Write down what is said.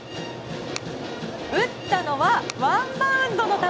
打ったのはワンバウンドの球。